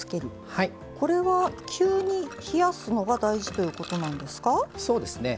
これは急に冷やすのが大事ということなんですか？